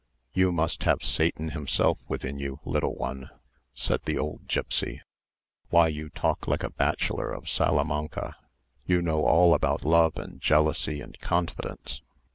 "You must have Satan himself within you, little one," said the old gipsy; "why you talk like a bachelor of Salamanca. You know all about love and jealousy and confidence.